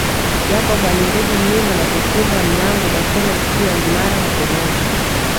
Jacob alirudi nyuma na kukumba mlango bastola ikiwa imara mkononi